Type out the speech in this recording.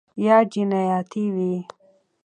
یا جنیاتي وي